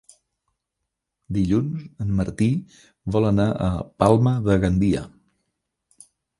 Dilluns en Martí vol anar a Palma de Gandia.